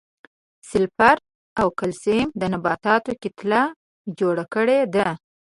سلفر او کلسیم د نباتاتو کتله جوړه کړې ده.